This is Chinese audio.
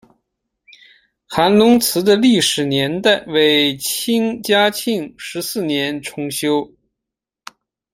韩泷祠的历史年代为清嘉庆十四年重修。